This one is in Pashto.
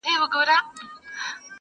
ما او ازل دواړو اورېدل چي توپان څه ویل-